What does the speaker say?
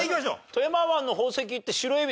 富山湾の宝石って白えび。